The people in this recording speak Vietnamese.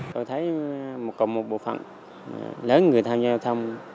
tôi thấy một cộng một bộ phận lớn người tham gia giao thông